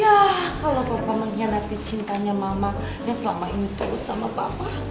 yah kalau papa mengkhianati cintanya mama dan selama ini tulus sama papa